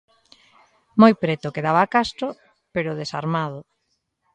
Moi preto quedaba Castro, pero desarmado.